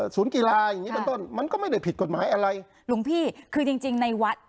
ศูนย์กีฬาอย่างงี้เป็นต้นมันก็ไม่ได้ผิดกฎหมายอะไรหลวงพี่คือจริงจริงในวัด